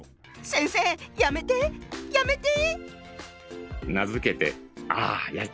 先生やめてやめて！